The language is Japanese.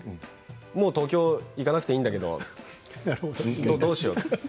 もう東京に行かなくていいんだけどって、どうしよう。